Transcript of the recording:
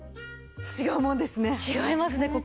違うもんですね。